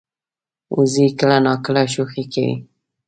وزې کله ناکله شوخي کوي